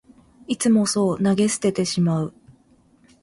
いつもそう投げ捨ててしまう